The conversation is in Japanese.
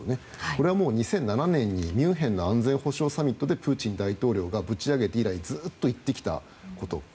これはもう２００７年にミュンヘンの安全保障サミットでプーチン大統領がぶち上げて以来ずっと言ってきたこと。